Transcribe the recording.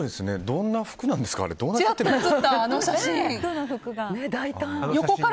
どんな服なんですか？